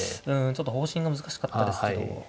ちょっと方針が難しかったですけど。